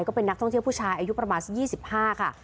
ก็เป็นนักท่องเที่ยวผู้ชายอายุประมาณสัก๒๕ค่ะ